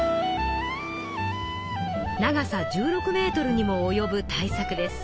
長さ１６ｍにもおよぶ大作です。